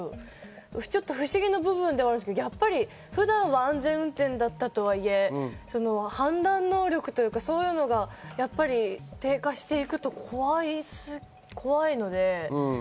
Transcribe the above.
ちょっと不思議な部分ではあるんですけど、やっぱり普段は安全運転だったとはいえ、判断能力というか、そういうのがやっぱり低下していくと怖いので。